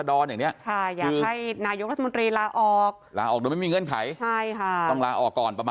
ทำงานหาเช้ากินข้าวเหมือนกันครับ